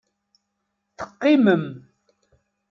Teqqimem.